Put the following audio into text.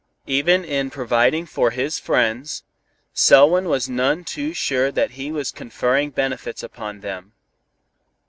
Even in providing for his friends, Selwyn was none too sure that he was conferring benefits upon them.